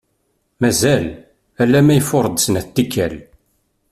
Mazal, alamma ifuṛ-d snat tikkal.